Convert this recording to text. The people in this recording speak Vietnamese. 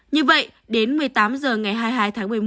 như vậy đến một mươi tám h ngày hai mươi hai tháng một mươi một